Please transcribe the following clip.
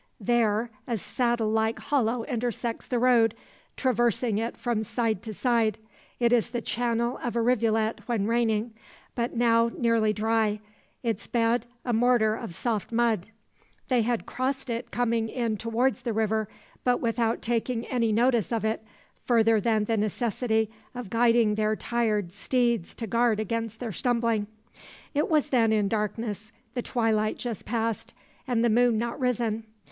There a saddle like hollow intersects the road, traversing it from side to side. It is the channel of a rivulet when raining; but now nearly dry, its bed a mortar of soft mud. They had crossed it coming in towards the river, but without taking any notice of it, further than the necessity of guiding their tired steeds to guard against their stumbling. It was then in darkness, the twilight just past, and the moon not risen.